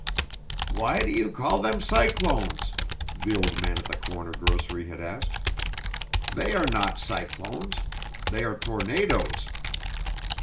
"Why do you call them cyclones?" the old man at the corner grocery had asked. "They are not cyclones. They are tornadoes."